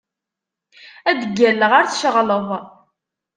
Ad d-ggalleɣ ar tceɣleḍ.